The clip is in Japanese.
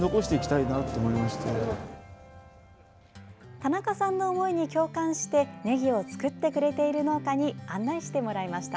田中さんの思いに共感してねぎを作ってくれている農家に案内してもらいました。